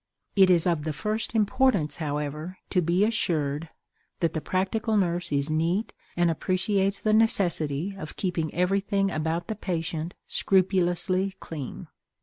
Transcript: It is of the first importance, however, to be assured that the "practical nurse" is neat and appreciates the necessity of keeping everything about the patient scrupulously clean.